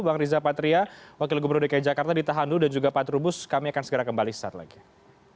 bang riza patria wakil gubernur dki jakarta di tahanu dan juga pak trubus kami akan segera kembali setelah ini